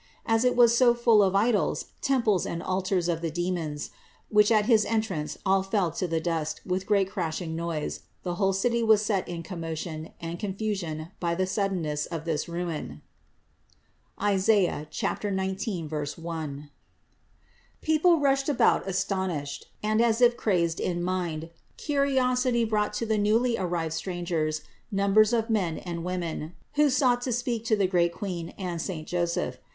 As it was so full of idols, temples and altars of the demons, which at his entrance all fell to the dust with great crashing and noise, the whole city was set in commotion and confusion by the suddenness of this ruin (Is. 19, 1). People rushed about astonished and as if crazed in mind; curiosity brought to the newly arrived strangers numbers of men and women, who sought to speak to the great Queen and saint Joseph.